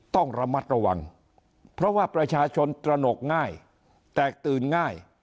ต้องระมัดระวังเพราะว่าประชาชนตระหนกง่ายแตกตื่นง่าย